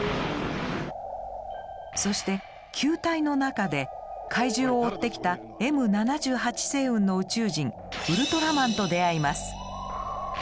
そして球体の中で怪獣を追ってきたＭ７８星雲の宇宙人ウルトラマンと出会います。